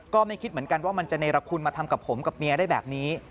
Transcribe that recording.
ก็ไม่คิดเหมือนกันว่ามันจะเนรคุณมาทำกับผมกับเมียได้แบบนี้